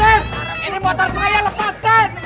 lepasin ini motor saya lepasin